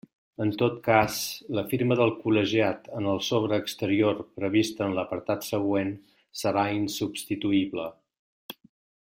En tot cas, la firma del col·legiat en el sobre exterior prevista en l'apartat següent serà insubstituïble.